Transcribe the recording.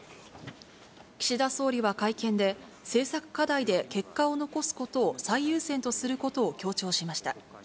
岸田総理は会見で、政策課題で結果を残すことを最優先とすることを強調しました。